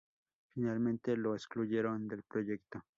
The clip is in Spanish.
Finalmente lo excluyeron del proyecto.